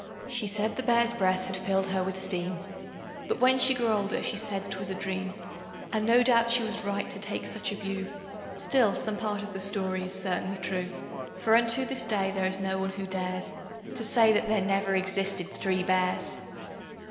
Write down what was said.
She said the bears' breath had filled her with steam, But when she grew older she said 'twas a dream, And no doubt she was right to take such a view; Still, some part of the story is certainly true, For unto this day there is no one who dares, To say that there never existed THREE BEARS.